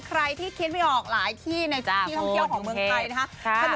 ใครที่คิดไม่ออกหลายที่ในที่ท่องเที่ยวของเมืองไทยนะครับ